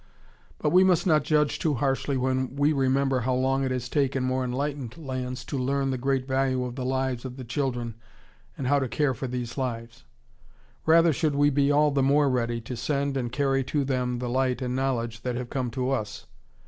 But we must not judge too harshly when we remember how long it has taken more enlightened lands to learn the great value of the lives of the children and how to care for these lives. Rather should we be all the more ready to send and carry to them the light and knowledge that have come to us.